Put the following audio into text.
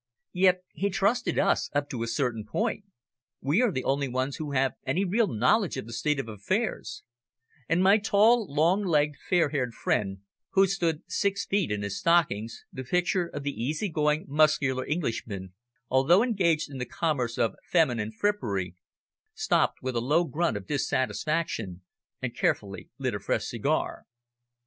Yet he trusted us up to a certain point. We are the only ones who have any real knowledge of the state of affairs," and my tall, long legged, fair haired friend, who stood six feet in his stockings, the picture of the easygoing muscular Englishman, although engaged in the commerce of feminine frippery, stopped with a low grunt of dissatisfaction, and carefully lit a fresh cigar.